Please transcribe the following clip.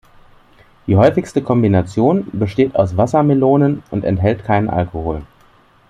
Die häufigste Kombination besteht aus Wassermelonen und enthält keinen Alkohol.